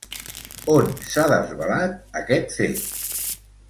On s'ha desvelat aquest fet?